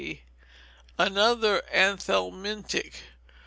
Another Anthelmintic.